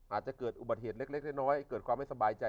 อาจจะเกิดอุบัติเหตุเล็กน้อยเกิดความไม่สบายใจ